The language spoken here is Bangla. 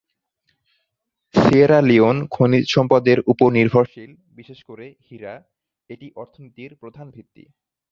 সিয়েরা লিওন খনিজ সম্পদের উপর নির্ভরশীল, বিশেষ করে হীরা, এটি অর্থনীতির প্রধান ভিত্তি।